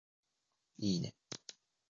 いいね